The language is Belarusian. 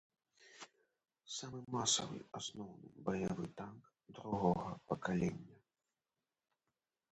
Самы масавы асноўны баявы танк другога пакалення.